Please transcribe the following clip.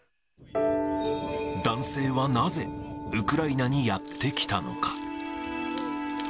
男性はなぜ、ウクライナにやって来たのか。